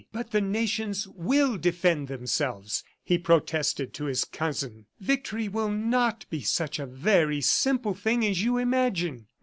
"But the nations will defend themselves," he protested to his cousin. "Victory will not be such a very simple thing as you imagine."